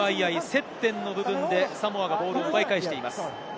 接点の部分でサモアがボールを奪い返しています。